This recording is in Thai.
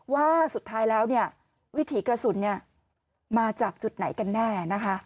ว่าสุดท้ายแล้วเนี่ยวิถีกระสุนมาจากจุดไหนกันแน่นะคะ